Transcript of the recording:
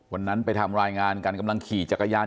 วันนั้นไปทำรายงานกันกำลังขี่จักรยาน